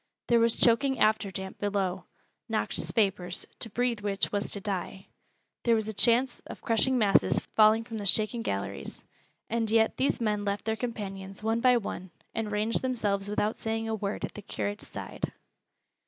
There was choking after damp below, noxious vapors, to breathe which was to die; there was the chance of crushing masses falling from the shaken galleries and yet these men left their companions one by one, and ranged themselves without saying a word at the curate's side.